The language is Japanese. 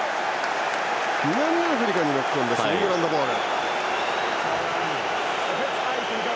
南アフリカにノックオンでイングランドボール。